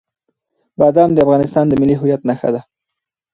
بادام د افغانستان د ملي هویت نښه ده.